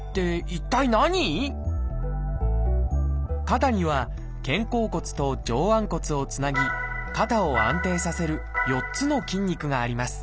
肩には肩甲骨と上腕骨をつなぎ肩を安定させる４つの筋肉があります。